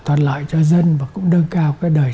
toàn loại cho dân và cũng đơn cao cái đời